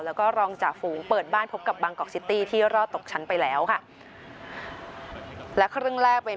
แล้วก็รองจ่าฝูงเปิดบ้านพบกับบางกอกซิตี้ที่รอดตกชั้นไปแล้วค่ะและครึ่งแรกเป็น